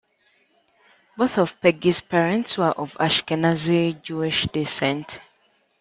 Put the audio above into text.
Both of Peggy's parents were of Ashkenazi Jewish descent.